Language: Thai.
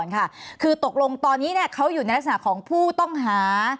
ค่ะคือตกลงตอนนี้เขาอยู่ในลักษณะของผู้ต้องหา